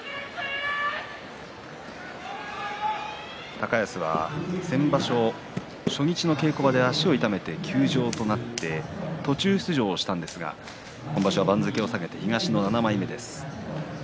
高安は先場所初日の稽古場で足を痛めて休場となって途中出場としたんですが今場所は番付を下げて東の７枚目です。